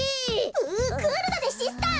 うクールだぜシスター！